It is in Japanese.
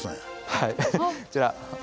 はいじゃあ。